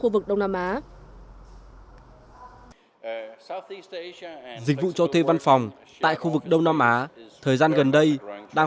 khu vực đông nam á dịch vụ cho thuê văn phòng tại khu vực đông nam á thời gian gần đây đang